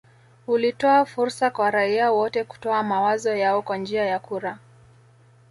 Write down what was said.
Ulitoa fursa kwa raia wote kutoa mawazo yao kwa njia ya kura